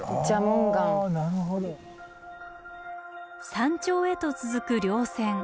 山頂へと続く稜線。